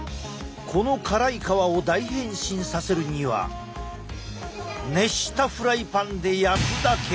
この辛い皮を大変身させるには熱したフライパンで焼くだけ。